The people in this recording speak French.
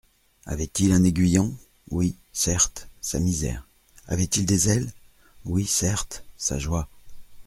Avait-il un aiguillon ? oui, certes, sa misère ; avait-il des ailes ? oui, certes, sa joie.